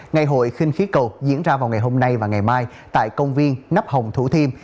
ngày hội khinh khí cầu diễn ra vào ngày hôm nay và ngày mai tại công viên nắp hồng thủ thiêm